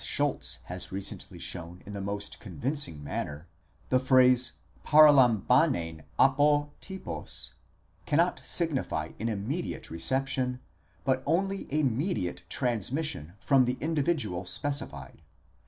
633 Schulz has recently shown in the most convincing manner,* the phrase παραλαμβάνειν ἀπό τινος Cannot signify an immediate reception, but only a mediate transmission from the individual specified.